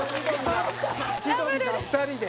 千鳥が２人で。